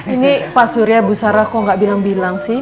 ini pak surya bu sarah kok gak bilang bilang sih